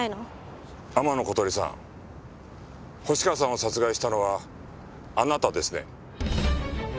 天野琴里さん星川さんを殺害したのはあなたですね？